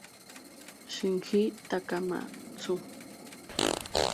Shinji Takamatsu